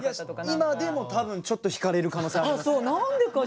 今でも多分ちょっと引かれる可能性ありますね。